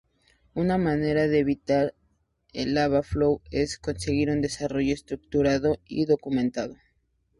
Una manera de evitar el lava Flow es seguir un desarrollo estructurado y documentado.